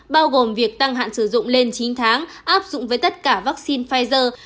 bao gồm việc tăng hạn sử dụng lên chín tháng áp dụng với tất cả vaccine pfizer